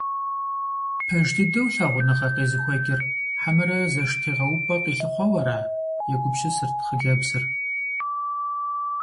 Пэж дыдэу лъагъуныгъэ къезыхуэкӀыр, хьэмэрэ зэштегъэупӀэ къилъыхъуэу ара? – егупсысырт хъыджэбзыр.